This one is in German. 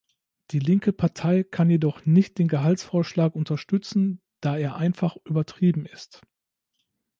Die linke Partei kann jedoch nicht den Gehaltsvorschlag unterstützen, da er einfach übertrieben ist.